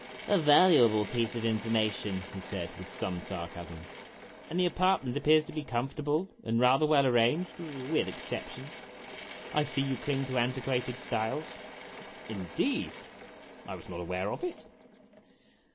"A valuable piece of information," he said, with some sarcasm, "and the apartment appears to be comfortable and rather well arranged with exceptions. I see you cling to antiquated styles." A LOST OPPORTUNITY 71 ".Indeed! I was not aware of it."